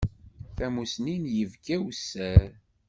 D tamusni n yibki awessar.